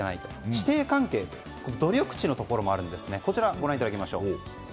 師弟関係で努力値のところもあるんです。